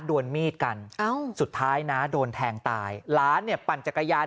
ดวนมีดกันสุดท้ายน้าโดนแทงตายหลานเนี่ยปั่นจักรยาน